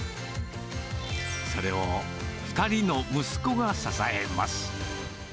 それを２人の息子が支えます。